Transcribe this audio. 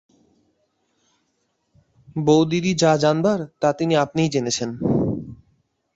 বউদিদি যা জানবার তা তিনি আপনিই জেনেছেন।